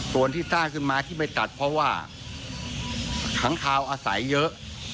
ส่วนที่สร้างขึ้นมาที่ไปตัดเพราะว่าขังคาวอาศัยเยอะ